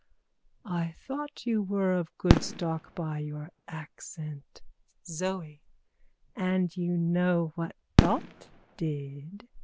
_ I thought you were of good stock by your accent. ZOE: And you know what thought did?